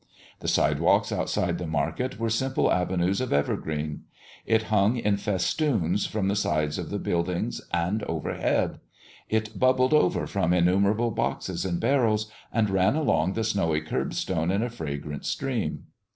The sidewalks outside the market were simple avenues of evergreen. It hung in festoons from the sides of the buildings and overhead; it bubbled over from innumerable boxes and barrels, and ran along the snowy curbstone in a fragrant stream.